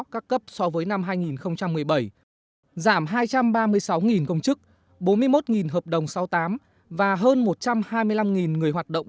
các cấp so với năm hai nghìn một mươi bảy giảm hai trăm ba mươi sáu công chức bốn mươi một hợp đồng sáu mươi tám và hơn một trăm hai mươi năm người hoạt động